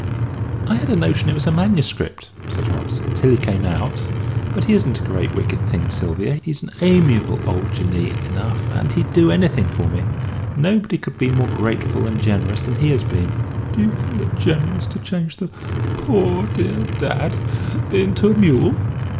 "I had a notion it was a manuscript," said Horace "till he came out. But he isn't a great wicked thing, Sylvia. He's an amiable old Jinnee enough. And he'd do anything for me. Nobody could be more grateful and generous than he has been." "Do you call it generous to change the poor, dear dad into a mule?"